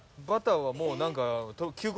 バターはもう何か。